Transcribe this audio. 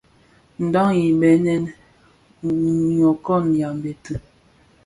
Ndhañ di Benèn, nyokon, yambette.